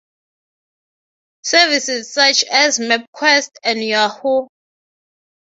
Services such as Mapquest and Yahoo!